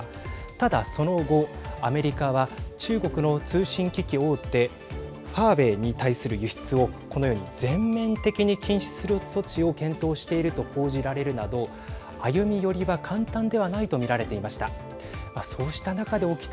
ただ、その後アメリカは中国の通信機器大手ファーウェイに対する輸出をこのように全面的に禁止する措置を検討していると報じられるなど歩み寄りは簡単ではないと見られていました。